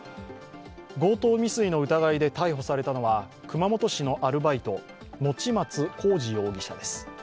強盗未遂の疑いで逮捕されたのは熊本市のアルバイト、用松康二容疑者です。